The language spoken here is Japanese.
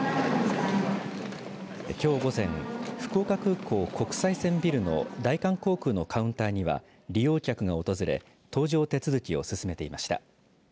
きょう午前、福岡空港国際線ビルの大韓航空のカウンターには利用客が訪れ搭乗手続きを進めていました。